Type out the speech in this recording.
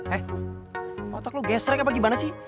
eh otak lo gesrek apa gimana sih